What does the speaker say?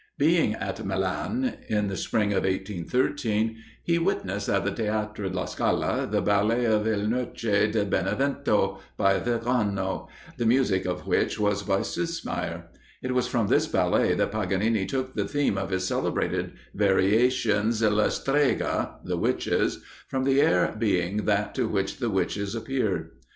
Being at Milan in the spring of 1813, he witnessed, at the Theatre La Scala, the ballet of "Il Noce di Benevento" by Virgano, the music of which was by Süssmayer.[J] It was from this ballet that Paganini took the theme of his celebrated variations "le Streghe," (the Witches), from the air being that to which the witches appeared.